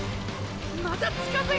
また近づいてる！！